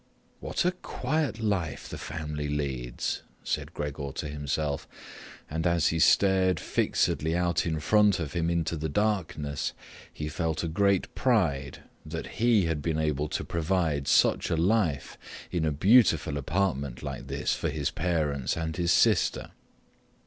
"What a quiet life the family leads," said Gregor to himself and, as he stared fixedly out in front of him into the darkness, he felt a great pride that he had been able to provide such a life in a beautiful apartment like this for his parents and his sister.